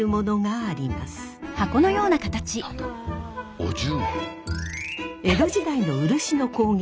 お重。